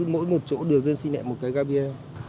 mỗi một chỗ đường dân sinh lại một cái gà bia